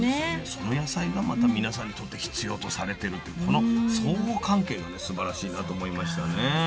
その野菜がまた皆さんにとって必要とされてるってこの相互関係がすばらしいなと思いましたね。